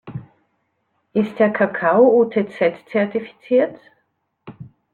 Ist der Kakao UTZ-zertifiziert?